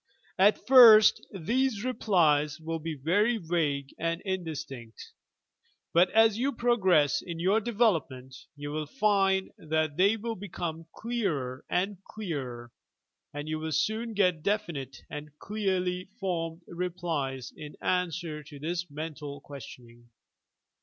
At first these replies will be very vague and indistinct, but as you progress in your development you will find that they will become clearer and clearer, and you will soon get definite and clearly formed replies in answer to this mental questioning.